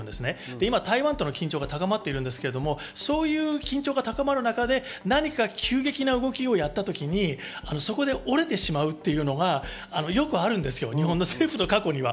今、台湾との緊張が高まっていますが、そういう緊張が高まる中で何が急激な動きをやった時にそこで折れてしまうのがよくあるんですよ、日本の政府の過去には。